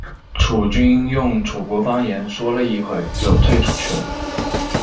楚军用楚国方言说了一会就退出去了。